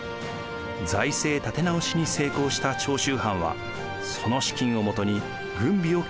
財政立て直しに成功した長州藩はその資金をもとに軍備を強化しました。